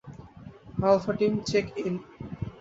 Alpha team, check in.